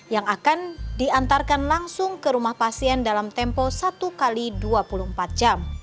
yang akan diantarkan langsung ke rumah pasien dalam tempo satu x dua puluh empat jam